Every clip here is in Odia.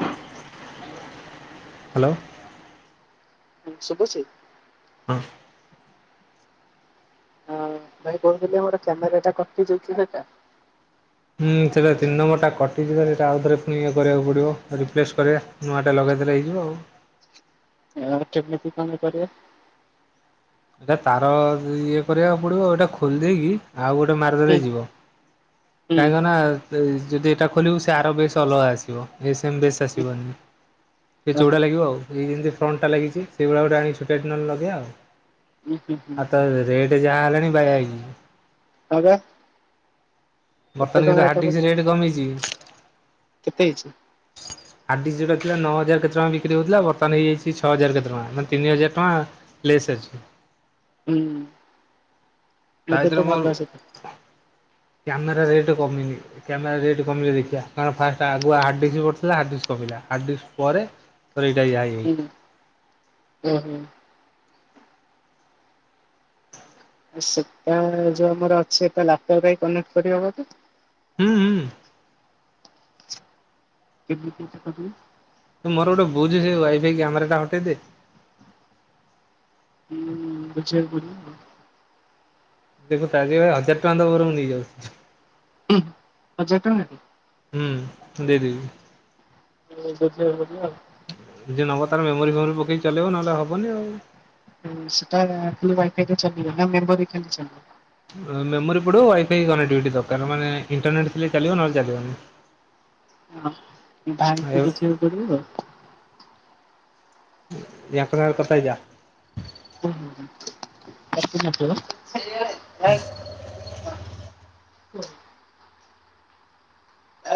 [inaudible] ହାଲୋ। ଶୁଭୁଚି? [unintelligible] ଅ ଭାଇ କହୁଥିଲେ, ମୋର କ୍ୟାମେରା ଟା କଟି ଯାଉଛି ସେଟା। ହୁଁ, ସେଟା ତିନି ନମ୍ବର ଟା କଟିଯବାର। ‌ ସେଟା ଆଉଥରେ ପୁଣି ଇଏ କରିବାକୁ ପଡିବ ରିପ୍ଲେସ୍ କରିବା। ନୂଆଟା ଲଗେଇଦେଲେ ହେଇଯିବ ଆଉ। [inaudible] କେମିତି କଅନି କରିବା। ଏଟା ତାର-ଅ ଇଏ କରିବାକୁ ପଡିବ ଏଟା ଖୋଲି ଦେଇକି ଆଉ ଗୋଟେ ମାରି ଦେଲେ ହୁଁ ଯିବ ହୁଁ କାହିଁକ ନା ଯେ ଯଦି ଏଟା ଖୋଲିବୁ ସେ ଆର ବେଶ ଅଲଗା ଆସିବ ଏ ସେମ ବେଶ ହୁଁ ଆସିବନି ଟିକେ ଓହୋ ଚୋଉଡା ଲାଗିବ ଆଉ। ଏଇ ଯେମତି ଫ୍ରଣ୍ଟଟା ଲାଗିଚି ସେଇଭଳିଆ ଗୋଟେ ଆଣି ଛୋଟିଆ ଟେ ନଏଲେ ଲଗେଇବା ଆଉ। ହୁଁ ହୁଁ ହୁଁ ଆଉ ତ ରେଟେ ଯାହା ହେଲାଣି ବାଇଆ ହେଇଯି ହଁ ପା। ବର୍ତ୍ତମାନ କେତେ କିନ୍ତୁ ଟଙ୍କା ଏଟା ହାର୍ଡଡିସ୍କ ପଡ଼ିଚି, ରେଟ୍ କମିଛି। କେତେ ହେଇଚି? ହାର୍ଡିସ୍ ଯୋଉଟା ଥିଲା ନ ହଜାର କେତେ ଟଙ୍କା ବିକ୍ରିହୋଉଥିଲା ବର୍ତମାନ ହେଇଯାଇଚି ଛଅ ହଜାର କେତେ ଟଙ୍କା ମାନେ ତିନି ହଜାର ଟଙ୍କା ଲେସ୍ ଅଛି। ହୁଁ ତା ଏବେ ଭିତରେ ତ ମୋର ଭଲସେ କ୍ୟାମେରା ରେଟ୍ କମିନି। କ୍ୟାମେରା ରେଟ୍ କମିଲେ ଦେଖିଆ କାରଣ ଫାଷ୍ଟ ଆଗୁଆ ହାର୍ଡିସ୍ ପଡ଼ିଥିଲା ହାର୍ଡିସ୍ କମିଲା ହାର୍ଡିସ୍ ପରେ ତୋର ଏଇଟା ଇଆଇ ଉଁ ହୁଁ। ସେଟା ଯୋଉ ଆମର ଅଛି ସେଟା ଲାପଟପରେ କନେକ୍ଟ କରିହବ ତ? ହୁଁ ହୁଁ। କେମିତି ସେଟା କରିବି? ତୁ ମୋର ଗୋଟେ ବୁଝୁ ସେ ୱାଇ ଫାଇ କ୍ୟାମେରା ଟା ହଟେଇଦେ। ହୁଁ ବଝିଆକୁ ପଡିବ। ଦେଖୁ ତାଜିପାଇ ହଜାର ଟଙ୍କା ଦବୁ ବରଂ ନେଇଯାଉଛି। ହୁଁ ହଜାର ଟଙ୍କା। ହୁଁ ଦେଇଦେବି। [unintelligible] ଯିଏ ନବ ତାର ମେମୋରି ଫେମୋରି ପକେଇ ଚଲେଇବ ନଏଲେ ହବନି ଆଉ। ହୁଁ ସେଟା ଖାଲି ୱାଇ ଫାଇରେ ଚାଲିବ ନା ମେମୋରି ଖାଲି ଚାଲିବ? ଆ ମେମୋରି ପଡିବ ୱାଇଫାଇ କନେକ୍ଟିଭିଟି ଦକାର ମାନେ ଇଣ୍ଟରନେଟ୍ ଥିଲେ ଚାଲିବ ନହେଲେ ଚାଲିବନି। ହଁ [unintelligible] ଆଉ ଇଏ କରିବୁ ଆଉ। ୟାଙ୍କ ନାଁରେ କଥା ହେଇଯା। [unintelligible]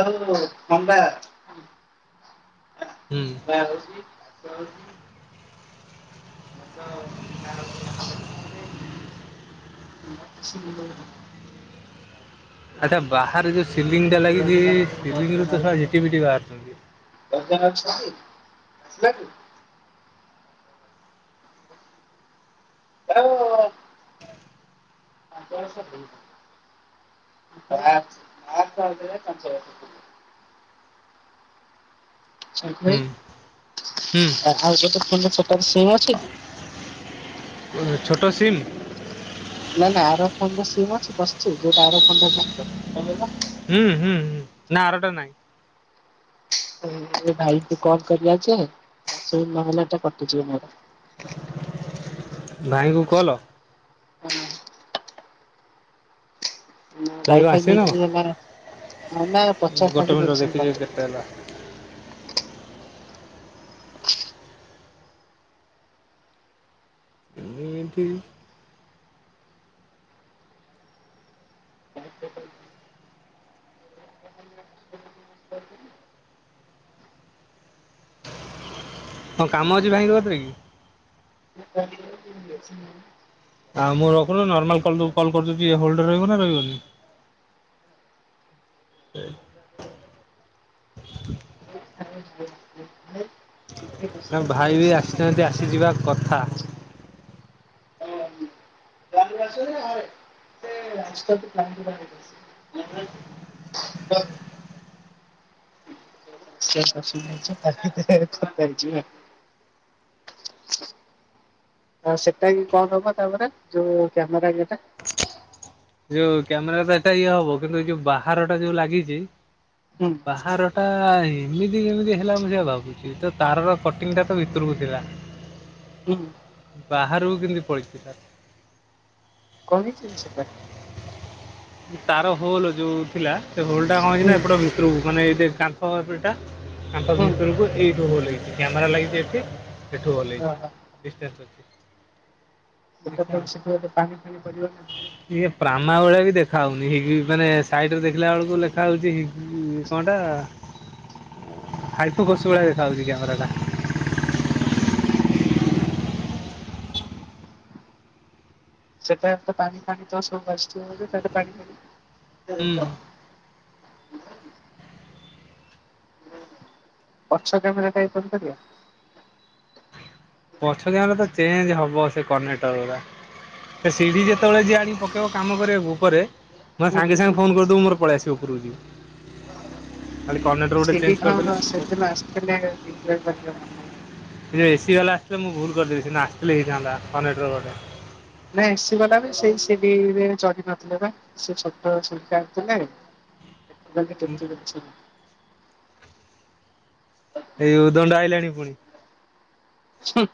ଆଉ ଥଣ୍ଡା ହୁଁ ବାହାରୁଚି। ଯାଉଚି। ଭଲ ଆଉ [inaudible] ହେଟା ବାହାରେ ଯୋଉ ସିଲିଂ ଟା ଲାଗିଚି-ଇ ସିଲିଂ ରୁ ତ ଶଳା ଝିଟିପିଟି ବାହାରୁଛନ୍ତି। [unintelligible] ଯାଉଁ ବ୍ୟାଚ୍। [unintelligible] ସଂଖୁଳି। ହୁଁ ହୁଁ। ଆଉ ଛୋଟ ଫୋନରେ ସେଟା ବି ସିମ୍ ଅଛି କି? ହୁଁ ଛୋଟ ସିମ୍? ନା ନା ଆର ଫୋନରେ ସିମ ଅଛି ପଶ୍ଚି ଯୋଉଟା ଆର ଫୋନଟା ଧରୁଚ? ହୁଁ ହୁଁ ହୁଁ ନା ଆରଟା ନାଇଁ। ଏ ଭାଇ କୁ କଲ କରିବା ଯେ ସିମ୍ ନହେଲେ ଏଟା କଟିଯିବ ମୋର। ଭାଇଙ୍କୁ କଲ? ଭାଇ କଣ ୱାଇଫାଇ ଆସିବେ ନା ମିଳିଛି କଣ ଯଦି ମାର ନନେ ଗୋଟେ ପଚାରିଥାନ୍ତି ମିନିଟ ରୁହ ମେଡିସିନ୍ ଦେଖିଦିଏ [unintelligible] କେତେ ହେଲା ମୁଁ ଏମତି [inaudible] କଣ କାମ ଅଛି ଭାଇଙ୍କ କତିରେ କି? [inaudible] ମେଡିସିନ୍ ନଉନୁ। ଆଉ ମୁଁ ରଖୁନୁ ନର୍ମାଲ କଲ୍ ଯୋଉ କଲ୍ କରୁଚି କି ଇଏ ହୋଲଡ୍ ରେ ରହିବ ନା ରହିବନି? [unintelligible] ଆଉ ଭାଇ ବି ଆସିନାହାନ୍ତି ଆସିଯିବା କଥା। ଜଲଦି ଆସୁନି ଆରେ। [unintelligible] [unintelligible] ଆଉ ସେଟା ବି କଣ ହବ ତାପରେ ଯୋଉ କ୍ୟାମେରା ଇଏଟା? ଯୋଉ କ୍ୟାମେରା ଟା ଏଟା ଇଏ ହବ କିନ୍ତୁ ଯୋଉ ବାହାର ଟା ଯୋଉ ଲାଗିଚି ହୁଁ। ବାହାର ଟା ଏମିତି କେମିତି ହେଲା ମୁଁ ସେଇଆ ଭାବୁଛି ତ ତାରର କଟିଂ ଟା ତ ଭିତରକୁ ଥିଲା। ହୁଁ ବାହାରକୁ କେମିତି ପଳେଇଥିଲା? କଣ ହେଇଛି ସେଟା? ତାର ହୋଲ୍ ଯୋଉ ଥିଲା ସେ ହୋଲ୍ ଟା କଣ ହେଇଛି ହୁଁ ନା ଏପଟ ଭିତୁରୁକୁ ମାନେ ଏଇ ଯେ କାନ୍ ତଳ ପଟ ଟା କାନ୍ଥ ହୁଁ ଭିତରକୁ ଏଇଠୁ ହୋଲ୍ ହେଇଛି, କ୍ୟାମେରା ଲାଗିଛି ଏଠି ସେଠୁ ହୋଲ୍ ହେଇଛି ଓହୋ ଡିଷ୍ଟାନ୍ସ ଅଛି। ସେଟା ଦେଖିବା ଆଉ ଫେରେ ସେ ଫେରେ ପାଣି ଫାଣି ପଡିବ ନା। ଇଏ ପ୍ରାମା ଭଳିଆ କି ଦେ ଖାଉନି ହେଇକି ମାନେ ସାଇଟ୍ ରେ ଦେଖିଲା ବେଳକୁ ଲେଖା ହଉଛି ହିଗି କଣ ଟା ହାଇଫୁ କଷୁ ଭଳିଆ ଦେଖା ହଉଛି କ୍ୟାମେରା ଟା। ସେଟା ଏତେ ତ ପାଣି ଫାଣି ତ ସବୁ ପଶୁଥିବ ବୋଧେ ତା [unintelligible] ପାଣି ହୁଁ ଫାଣି [inaudible] ପଛ କ୍ୟାମେରା ଟା ବି କରିପାରିବ। ପଛ କ୍ୟାମେରା ତ ଚେଞ୍ଜ ହବ ସେ କନେକ୍ଟର୍ ଗୁଡା। ସେ ସିଢି ଯେତେବେଳେ ଯିଏ ଆଣିକି ପକେଇବ କାମ କରିବାକୁ ଉପରେ ମୋ ସାଙ୍ଗେ ସାଙ୍ଗେ ଫୋନ୍ କରିଦବୁ ମୋର ପଳି ଆସିବ ଉପୁରୁକୁ ଯିବ। ଖାଲି କନେଟୋର୍ ଗୋଟେ ସିଡି ଚେଞ୍ଜ ହଁ କରଦେଲେ ସେଦିନ ଆସିଥିଲେ [unintelligible] ଏ ଏସି ବାଲା ଆସିଥିଲେ ମୁଁ ଭୁଲ କରିଦେଲି ସେଦିନ ଆସଥିଲେ ହେଇଥାନ୍ତା କନେଟୋର୍ ଗୋଟେ। ନା ଏସି ବାଲା ବି ସେଇ ସିଡି ରେ ଚଢିପାରଥିଲେ ବା। ସେ ଛୋଟ ସିଡି ଟା ଯେ ନାଇଁ [unintelligible] ଏ ଉଦଣ୍ଡ ଆଇଲାଣି ପୁଣି। ଛଁ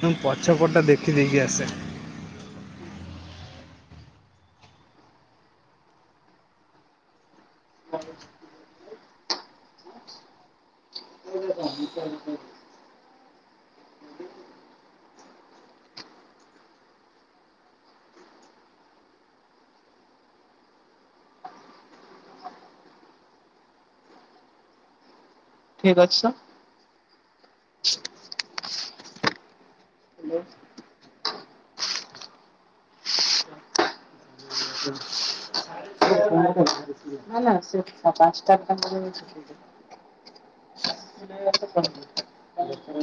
ମୁଁ ପଛପଟ ଟା ଦେଖି ଦେଇକି ଆସେ। [inaudible] [inaudible] ଠିକ୍ ଅଛି ସୋ [inaudible] ନା ନା ସେ ପା-ପାନ୍ସଟା ଦୋକାନ କରିବ ବୋଲି [inaudible] [inaudible]